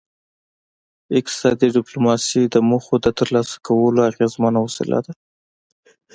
اقتصادي ډیپلوماسي د موخو د ترلاسه کولو اغیزمنه وسیله ده